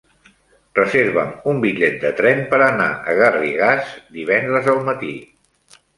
Reserva'm un bitllet de tren per anar a Garrigàs divendres al matí.